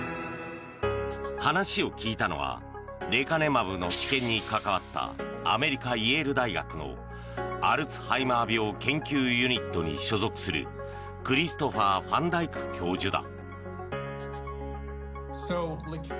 話を聞いたのはレカネマブの治験に関わったアメリカ・イェール大学のアルツハイマー病研究ユニットに所属するクリストファー・ファン・ダイク教授だ。